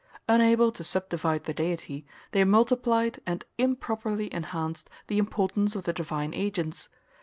Unable to subdivide the Deity, they multiplied and improperly enhanced the importance of the divine agents.